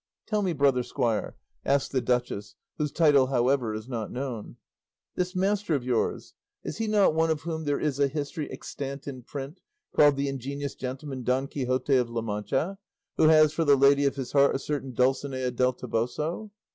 "Tell me, brother squire," asked the duchess (whose title, however, is not known), "this master of yours, is he not one of whom there is a history extant in print, called 'The Ingenious Gentleman, Don Quixote of La Mancha,' who has for the lady of his heart a certain Dulcinea del Toboso?"